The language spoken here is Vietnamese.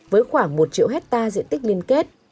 với khoảng một triệu hectare diện tích liên kết